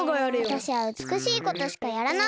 わたしはうつくしいことしかやらない！